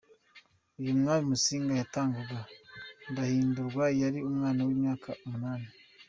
Ubwo Umwami Musinga yatangaga, Ndahindurwa yari umwana w’imyaka umunani.